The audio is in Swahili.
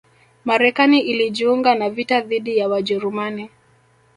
Marekani ilijiunga na vita dhidi ya Wajerumani